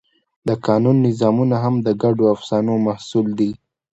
د قانون نظامونه هم د ګډو افسانو محصول دي.